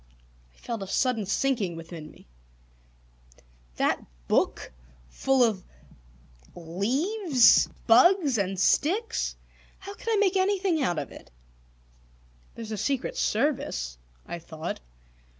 I felt a sudden sinking within me. That book full of leaves, bugs, and sticks? How could I make anything out of it? "There's the Secret Service," I thought.